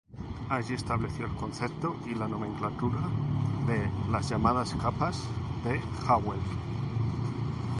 Allí estableció el concepto y la nomenclatura de las llamadas "capas de Jagüel".